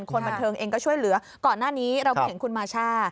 คนบันเทิงเองก็ช่วยเหลือก่อนหน้านี้เราพูดถึงคุณมาช่า